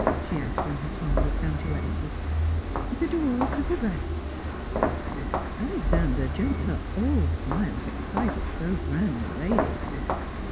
she asked, in her tongue of County Wexford. "The door to the right." Alexander jumped up, all smiles at the sight of so grand a lady.